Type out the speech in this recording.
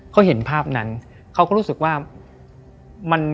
เขาเห็นภาพนั้นเขาก็รู้สึกว่า